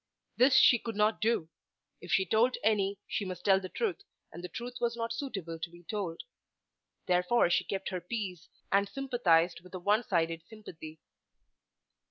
This she could not do. If she told any she must tell the truth, and the truth was not suitable to be told. Therefore she kept her peace, and sympathised with a one sided sympathy.